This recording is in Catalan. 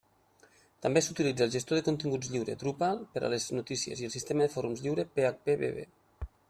També s'utilitza el gestor de continguts lliure Drupal per a les notícies i el sistema de fòrums lliure phpBB.